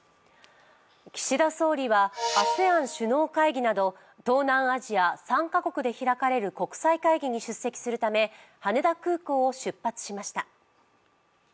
岸田総理はＡＳＥＡＮ首脳会議など東南アジア３か国で開かれる国際会議に出席するため羽田空港を出発しました。